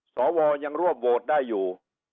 สวยังรวบโหวตได้อยู่